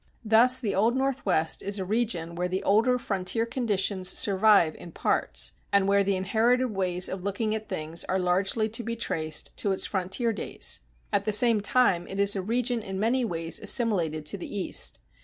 Thus the Old Northwest is a region where the older frontier conditions survive in parts, and where the inherited ways of looking at things are largely to be traced to its frontier days. At the same time it is a region in many ways assimilated to the East.